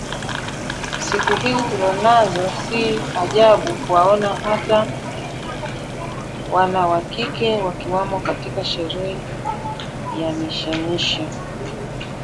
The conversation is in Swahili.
Siku hizi tulonazo si ajabu kuwaona hata wana wa kike wakiwamo katika sherehe na mishemishe